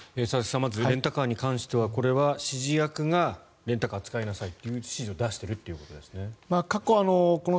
まずレンタカーについては指示役がレンタカーを使いなさいと指示を出している可能性があるということですね。